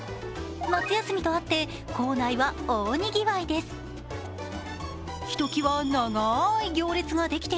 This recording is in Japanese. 夏休みとあって構内は大賑わいです。